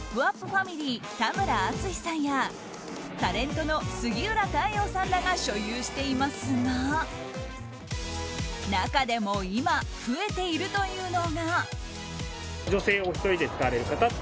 ファミリー田村淳さんやタレントの杉浦太陽さんらが所有していますが中でも今、増えているというのが。